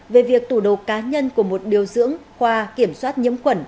về việc tủ đồ cá nhân của một điều dưỡng khoa kiểm soát nhiễm khuẩn